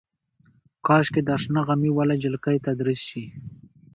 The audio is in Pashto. کاشکې د شنه غمي واله جلکۍ تدریس شي.